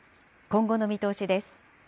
今後の見通しです。